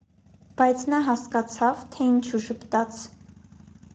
բայց նա հասկացավ, թե ինչու ժպտաց: